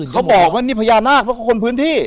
เขาบอกว่านี่พญานาคเพราะคนพื้นที่